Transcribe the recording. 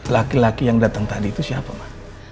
laki laki yang datang tadi itu siapa mas